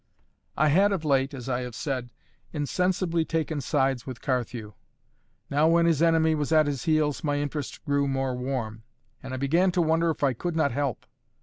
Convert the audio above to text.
I had of late (as I have said) insensibly taken sides with Carthew; now when his enemy was at his heels, my interest grew more warm; and I began to wonder if I could not help.